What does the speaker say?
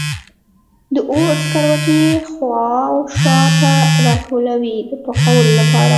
د اور سکروټي یې خوا و شا ته راټولوي د پخولو لپاره.